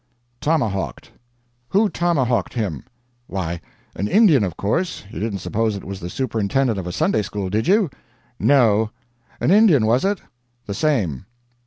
"Tomahawked." "Who tomahawked him?" "Why, an Indian, of course. You didn't suppose it was the superintendent of a Sunday school, did you?" "No. An Indian, was it?" "The same."